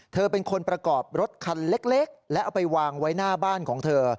เธอเป็นคนประกอบรถคันเล็กแล้วเอาไปวางไว้หน้าบ้านของเธอ